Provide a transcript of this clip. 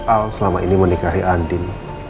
al selama ini menikahi andin